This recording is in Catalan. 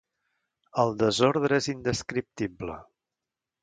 El desordre és indescriptible.